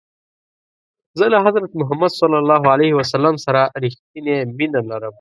زه له حضرت محمد ص سره رښتنی مینه لرم.